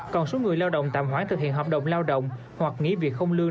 còn số người lao động tạm hoãn thực hiện hợp đồng lao động hoặc nghỉ việc không lương